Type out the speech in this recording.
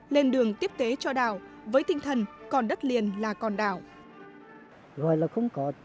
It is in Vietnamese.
lên đường tiếp tế cho đảo với tinh thần còn đất liền là con đảo